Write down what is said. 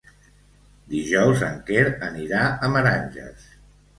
Dijous en Quer anirà a Meranges.